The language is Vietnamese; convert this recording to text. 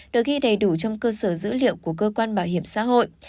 được ghi đầy đủ trong cơ sở dữ liệu của cơ quan bảo hiểm xã hội